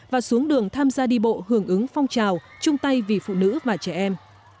và xuống đường tham gia đi bộ hưởng ứng phong trào chung tay vì phụ nữ và trẻ em